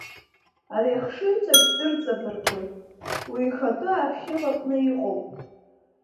Ари ахшыҩҵак дырҵабыргуеит уи ихатәы архив аҟны иҟоу…